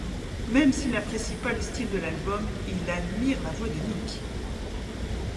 Même s'il n'apprécie pas le style de l'album, il admire la voix de Nick.